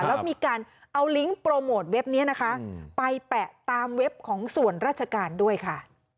แล้วมีการเอาลิงก์โปรโมทเว็บนี้นะคะไปแปะตามเว็บของส่วนราชการด้วยค่ะ